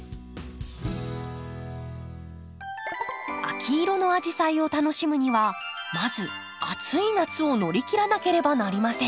秋色のアジサイを楽しむにはまず暑い夏を乗り切らなければなりません。